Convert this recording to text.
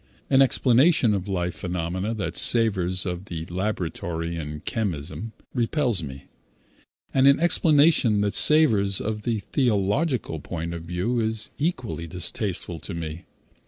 An explanation of life phenomena that savors of the laboratory and chemism repels me, and an explanation that savors of the theological point of view is equally distasteful to me.